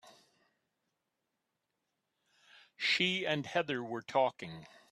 She and Heather were talking.